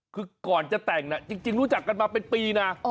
คือก่อนจะแต่งจริงรู้จักกันมาเป็นปีนะ